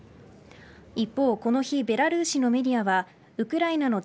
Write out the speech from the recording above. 一方、この日ベラルーシのメディアはウクライナの地